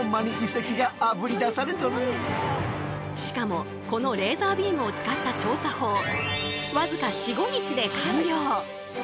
しかもこのレーザービームを使った調査法